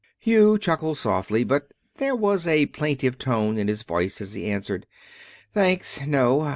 Hugh chuckled softly; but there was a plaintive tone in his voice as he answered. "Thanks, no.